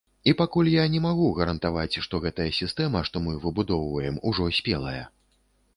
І я пакуль не магу гарантаваць, што гэтая сістэма, што мы выбудоўваем, ужо спелая.